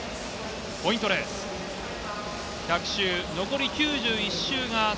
ポイントレース。